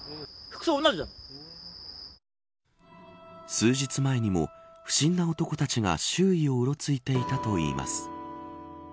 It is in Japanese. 数日前にも、不審な男たちが周囲をうろついていたといいます。